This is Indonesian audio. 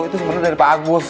itu sebenarnya dari pak agus